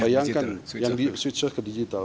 bayangkan switch off ke digital